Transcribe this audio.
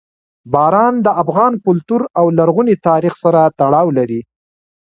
باران د افغان کلتور او لرغوني تاریخ سره تړاو لري.